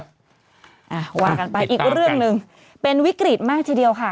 อ่าว่ากันไปอีกเรื่องหนึ่งเป็นวิกฤตมากทีเดียวค่ะ